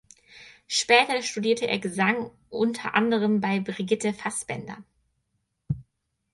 Später studierte er Gesang unter anderem bei Brigitte Fassbaender.